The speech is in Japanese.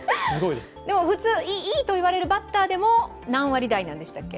でも、いいと言われるバッターでも何割台なんでしたっけ？